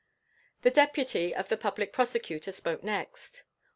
The Deputy of the Public Prosecutor spoke next.